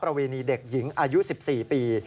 เวณีเด็กหญิงอายุ๑๔ปี